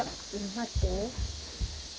待ってね。